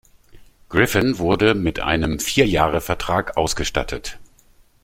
Griffin wurde mit einem vier Jahre Vertrag ausgestattet.